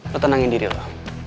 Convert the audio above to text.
lo tenangin diri lo